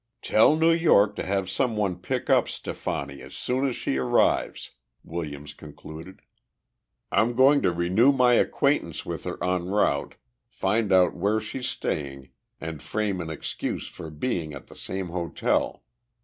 "Tell New York to have some one pick up Stefani as soon as she arrives," Williams concluded. "I'm going to renew my acquaintance with her en route, find out where she's staying, and frame an excuse for being at the same hotel.